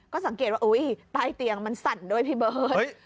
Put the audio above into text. ก็สังเกตว่าใต้เตียงมันสั่นด้วยพี่เบิร์ต